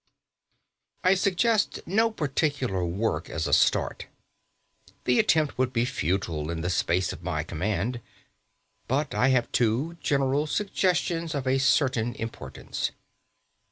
I suggest no particular work as a start. The attempt would be futile in the space of my command. But I have two general suggestions of a certain importance.